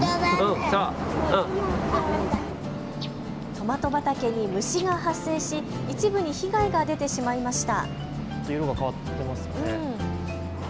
トマト畑に虫が発生し一部に被害が出てしまいました。